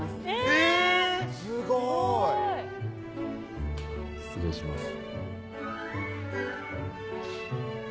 えぇすごい失礼します